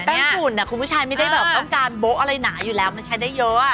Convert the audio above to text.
ฝุ่นคุณผู้ชายไม่ได้แบบต้องการโบ๊ะอะไรหนาอยู่แล้วมันใช้ได้เยอะ